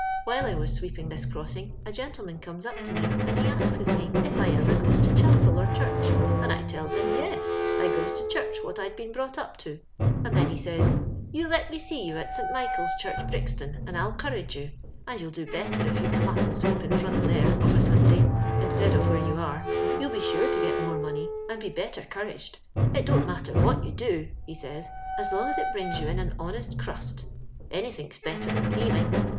While I was sweep ing this crossing, a gentleman comes up to me, and he axes me if I ever goes to chapel or church; and I tells him, *Yes;' I goes to church, wot Td been brought up to ; and then he says, * You let me see you at St. Michael's Church, Brixton, and I'll 'courage you, and you'll do better if you come up and sweep in front there of a Sunday instead of where you are; you'll be sure to get more money, and get better 'couraged. It don't matter what you do,' he sajrs, * as long as it brings you in a honest crust ; anythink's better than thieving.